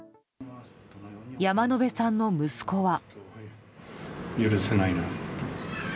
山野辺さんの息子は。